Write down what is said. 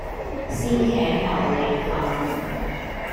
鮮茄牛脷飯